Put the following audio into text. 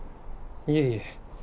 いえいえ。